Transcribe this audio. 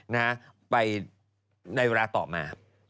นะฮะไปในเวลาต่อมา